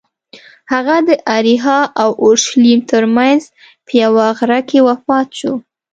هغه د اریحا او اورشلیم ترمنځ په یوه غره کې وفات شو.